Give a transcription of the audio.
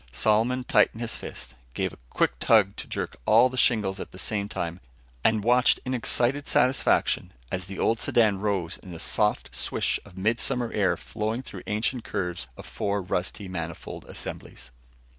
Solomon tightened his fist, gave a quick tug to jerk all shingles at the same time, and watched in excited satisfaction as the old sedan rose in a soft swish of midsummer air flowing through ancient curves of four rusty manifold assemblies.